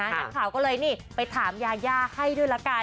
นักข่าวก็เลยนี่ไปถามยายาให้ด้วยละกัน